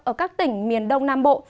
ở các tỉnh miền đông nam bộ